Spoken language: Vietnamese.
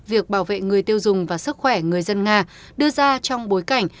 việc bảo vệ người tiêu dùng và sức khỏe người dân nga đưa ra trong bối cảnh